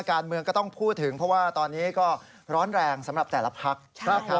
การเมืองก็ต้องพูดถึงเพราะว่าตอนนี้ก็ร้อนแรงสำหรับแต่ละพัก